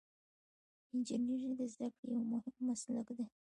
انجنیری د زده کړې یو مهم مسلک دی.